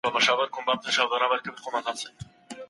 ته زما عيبونه چاته مه وايه زه به ستا عيبونه چاته نه وايم.